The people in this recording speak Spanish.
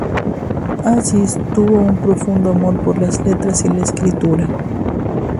Aziz tuvo un profundo amor por las letras y la escritura.